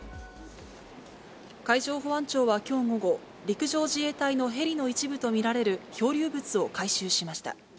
海上保安庁はきょう午後、陸上自衛隊のヘリの一部と見られる漂流物を回収しました。